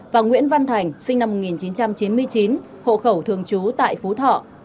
và nguyễn văn thành sinh năm một nghìn chín trăm chín mươi chín hộ khẩu thường trú tại phú thọ